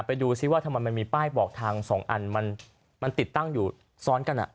ไปดูซิว่าทำไมมันมีป้ายบอกทาง๒อันมันติดตั้งอยู่ซ้อนกัน